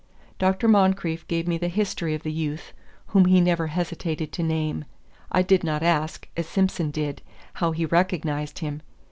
Dr. Moncrieff gave me the history of the youth, whom he never hesitated to name. I did not ask, as Simson did, how he recognized him.